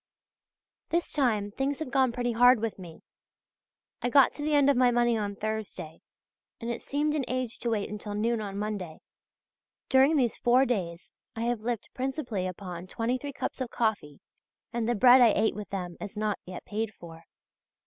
This time things have gone pretty hard with me; I got to the end of my money on Thursday, and it seemed an age to wait until noon on Monday. During these four days I have lived principally upon 23{HH} cups of coffee, and the bread I ate with them is not yet paid for.